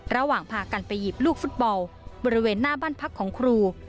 ระหว่างพากันไปหยิบลูกฟุตบอลบริเวณหน้าบ้านพักของครู